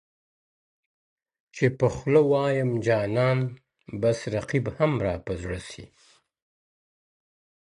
چي په خوله وایم جانان بس رقیب هم را په زړه سي،